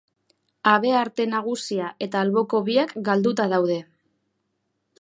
Habearte nagusia eta alboko biak galduta daude.